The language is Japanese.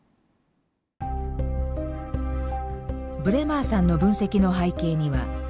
ブレマーさんの分析の背景には